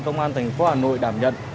công an tp hà nội đảm nhận